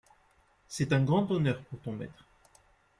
C’est un grand honneur pour ton maître.